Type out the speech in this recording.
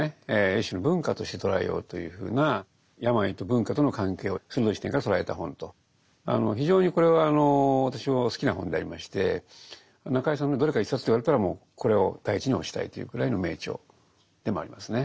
一種の文化として捉えようというふうな非常にこれは私も好きな本でありまして中井さんのどれか一冊と言われたらもうこれを第一に推したいというくらいの名著でもありますね。